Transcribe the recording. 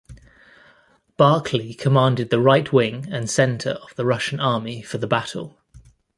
Barclay commanded the right wing and center of the Russian army for the battle.